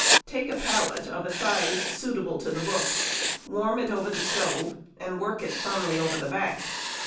Take a pallet of a size suitable to the book, warm it over the stove, and work it firmly over the back.